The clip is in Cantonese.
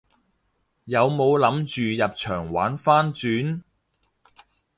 有冇諗住入場玩番轉？